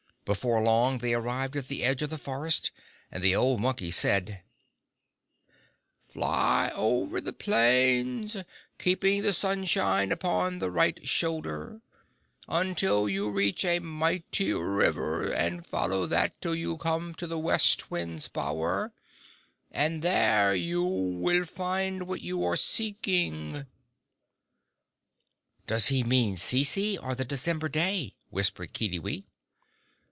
Before long they arrived at the edge of the forest, and the old Monkey said "Fly over the plains Keeping the sunshine Upon the right shoulder, until you reach a mighty river, and follow that till you come to the West Wind's bower and there you will find what you are seeking!" "Does he mean Cece or the December day?" whispered Kiddiwee.